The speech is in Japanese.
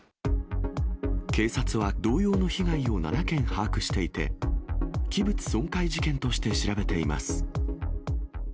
警察は同様の被害を７件把握していて、器物損壊事件として調べています。